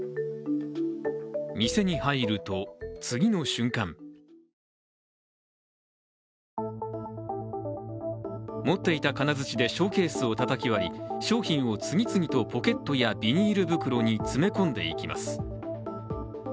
店に入ると次の瞬間持っていた金づちでショーケースをたたき割り商品を次々とポケットやビニール袋に詰め込んでいきます。